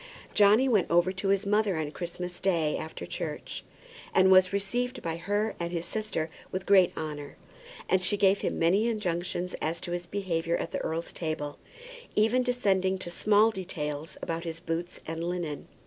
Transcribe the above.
Johnny went over to his mother on Christmas Day after church, and was received by her and by his sister with great honour. And she gave him many injunctions as to his behaviour at the earl's table, even descending to small details about his boots and linen.